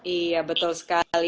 iya betul sekali